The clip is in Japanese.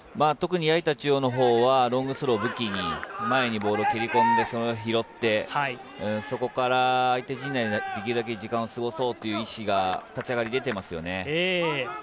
特に矢板中央のほうはロングスローを武器に前にボールを蹴り込んで、それを拾って、そこから相手陣内にできるだけ時間を過ごそうっていう意識が立ち上がりに出てますよね。